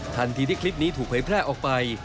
ทันทีที่คลิปนี้ถูกเผยแพร่ออกไป